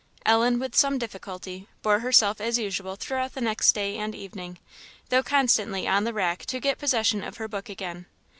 Ellen, with some difficulty, bore herself as usual throughout the next day and evening, though constantly on the rack to get possession of her book again.